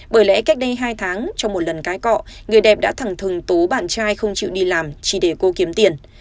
bởi lẽ cách đây hai tháng trong một lần cái cọ người đẹp đã thẳng thừng tú bạn trai không chịu đi làm chỉ để cô kiếm tiền